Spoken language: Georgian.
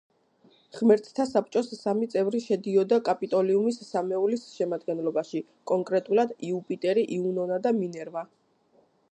ღმერთთა საბჭოს სამი წევრი შედიოდა კაპიტოლიუმის სამეულის შემადგენლობაში, კონკრეტულად: იუპიტერი, იუნონა და მინერვა.